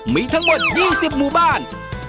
มีทั้งหมด๒๐หมู่บ้าน